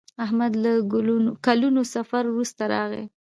احمد له کلونو سفر وروسته راغی.